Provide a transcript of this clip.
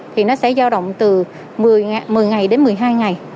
thì nó sẽ giao động từ một mươi ngày đến một mươi hai ngày